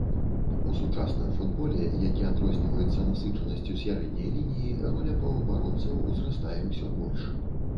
У сучасным футболе, які адрозніваецца насычанасцю сярэдняй лініі, роля паўабаронцаў узрастае ўсё больш.